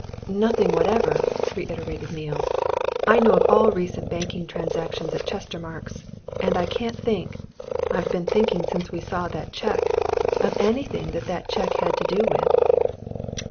"Nothing whatever!" reiterated Neale. "I know of all recent banking transactions at Chestermarke's, and I can't think I've been thinking since we saw that cheque of anything that the cheque had to do with."